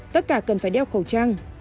tất cả cần phải đeo khẩu trang